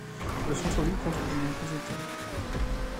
Le centre ville compte de nombreux hôtels.